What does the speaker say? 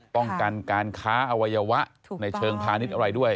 ป้องกันการค้าอวัยวะในเชิงพาณิชย์อะไรด้วย